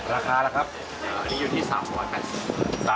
ราคาละครับ